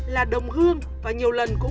là đồng hương và nhiều lần cũng vận chuyển